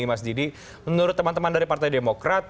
mas didi menurut teman teman dari partai demokrat